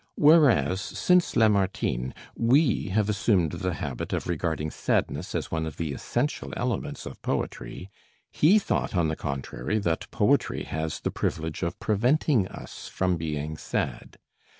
Whereas, since Lamartine, we have assumed the habit of regarding sadness as one of the essential elements of poetry, he thought on the contrary that poetry has the privilege of preventing us from being sad.